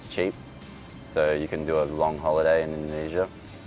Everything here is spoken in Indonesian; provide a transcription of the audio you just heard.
jadi bisa buat pernikahan lama di indonesia